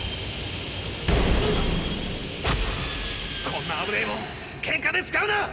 こんな危ねえもんケンカで使うな！